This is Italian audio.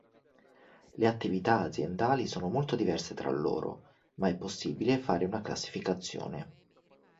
Le attività aziendali sono molto diverse tra loro, ma è possibile fare una classificazione.